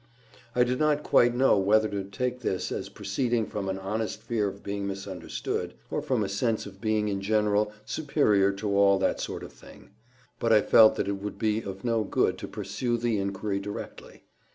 I did not quite know whether to take this as proceeding from an honest fear of being misunderstood, or from a sense of being in general superior to all that sort of thing. But I felt that it would be of no good to pursue the inquiry directly.